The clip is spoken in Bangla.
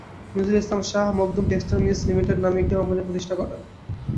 Nazrul Islam Shah Makhdum textile mills limited নামে একটি কোম্পানি প্রতিষ্ঠা করেন।